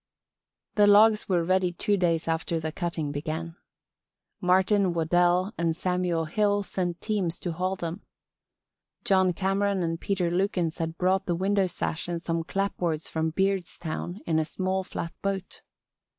The logs were ready two days after the cutting began. Martin Waddell and Samuel Hill sent teams to haul them. John Cameron and Peter Lukins had brought the window sash and some clapboards from Beardstown in a small flat boat.